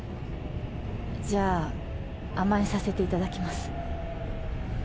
じゃあ甘えさせていただきます